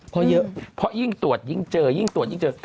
เพราะเยอะเพราะยิ่งตรวจยิ่งเจอยิ่งตรวจยิ่งเจอ